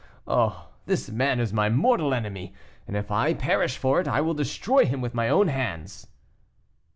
Oh! this man is my mortal enemy, and if I perish for it, I will destroy him with my own hands."